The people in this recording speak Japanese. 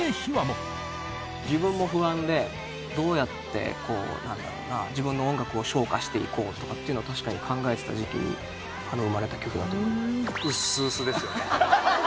自分も不安でどうやってなんだろうな自分の音楽を昇華していこうとかっていうのは確かに考えてた時期に生まれた曲だと思います。